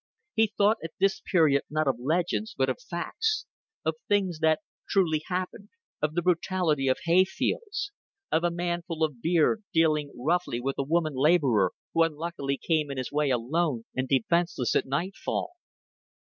He thought at this period not of legends, but of facts of things that truly happened; of the brutality of hayfields; of a man full of beer dealing roughly with a woman laborer who unluckily came in his way alone and defenceless at nightfall.